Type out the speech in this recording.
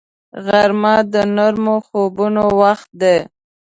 غرمه د نرمو خوبونو وخت دی